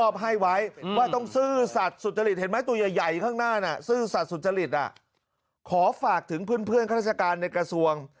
บุษนาสดิ์สุชฎริสขอฝากถึงเพื่อนเพื่อนข้าราชการในกระทรวง